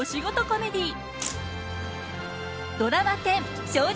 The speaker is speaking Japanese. コメディー。